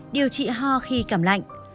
điều trị ho khi cảm lạnh